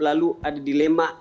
lalu ada dilema